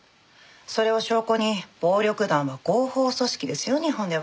それを証拠に暴力団は合法組織ですよ日本では。